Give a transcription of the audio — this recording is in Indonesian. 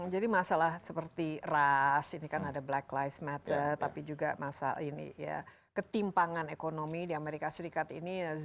jadi masalah seperti ras ini kan ada black lives matter tapi juga masalah ini ya ketimpangan ekonomi di amerika serikat ini